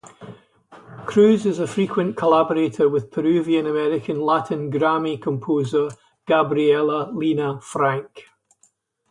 Cruz is a frequent collaborator with Peruvian-American Latin Grammy composer Gabriela Lena Frank.